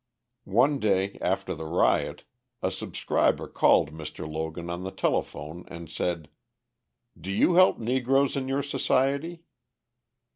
One day, after the riot, a subscriber called Mr. Logan on the telephone and said: "Do you help Negroes in your society?"